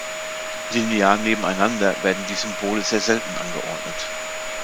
Linear nebeneinander werden die Symbole sehr selten angeordnet.